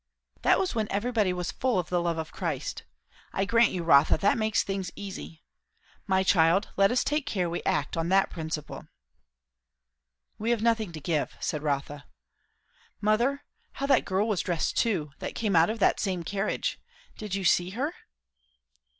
"That was when everybody was full of the love of Christ. I grant you, Rotha, that makes things easy. My child, let us take care we act on that principle." "We have nothing to give," said Rotha. "Mother, how that girl was dressed too, that came out of that same carriage. Did you see her?"